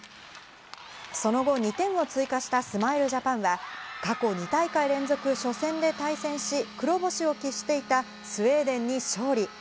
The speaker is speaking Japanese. その後、２点を追加したスマイルジャパンは過去２大会連続、初戦で対戦し、黒星を喫していたスウェーデンに勝利。